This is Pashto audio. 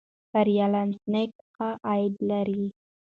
فری لانسینګ ښه عاید لري.